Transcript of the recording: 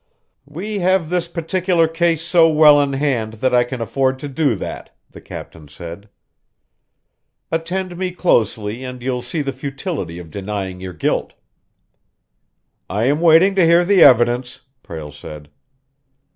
"We have this particular case so well in hand that I can afford to do that," the captain said. "Attend me closely and you'll see the futility of denying your guilt." "I am waiting to hear the evidence," Prale said.